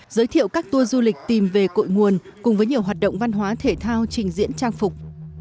giới thiệu các tour du lịch tìm về cội nguồn cùng với nhiều hoạt động văn hóa thể thao trình diễn trang phục